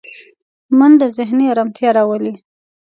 منډه ذهني ارامتیا راولي